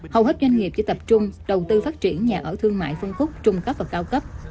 hầu hết doanh nghiệp chỉ tập trung đầu tư phát triển nhà ở thương mại phân khúc trung cấp và cao cấp